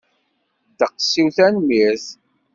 Ddeqs-iw, tanemmirt.